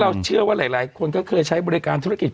เชื่อว่าหลายคนก็เคยใช้บริการธุรกิจ